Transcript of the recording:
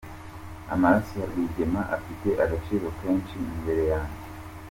Amaraso ya Rwigema afite agaciro kenshi imbere yanjye.